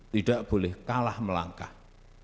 tidak boleh kalah melangkah